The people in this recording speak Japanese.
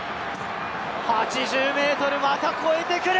８０ｍ、また越えてくる！